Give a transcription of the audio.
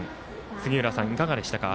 杉浦さん、いかがでしたか？